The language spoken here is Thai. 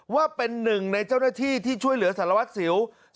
ว่าเป็นหนึ่งในเจ้าหน้าที่ที่ช่วยเหลือสารวัตรสิว